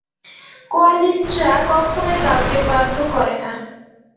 কোয়ালিস্টরা কখনোই কাউকে বাধ্য করে না।